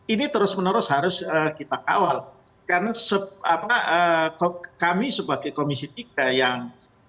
ini terus menerus harus kita kawal karena kami sebagai komisi tiga yang